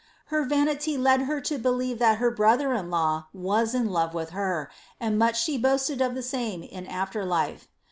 Her vanity led her to belief that her brother in law waa in love with beE^nd much aha boaatad of the tame in after life.